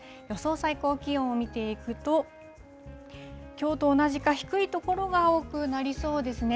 最高気温を見ていくと、きょうと同じか、低い所が多くなりそうですね。